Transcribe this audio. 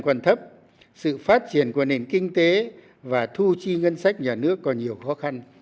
còn thấp sự phát triển của nền kinh tế và thu chi ngân sách nhà nước còn nhiều khó khăn